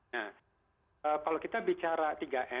nah kalau kita bicara tiga m